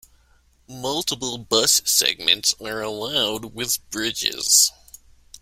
Multiple bus segments are allowed with bridges.